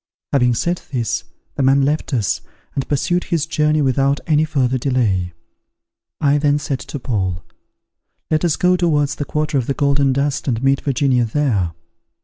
Having said this, the man left us, and pursued his journey without any further delay. I then said to Paul, "Let us go towards the quarter of the Golden Dust, and meet Virginia there.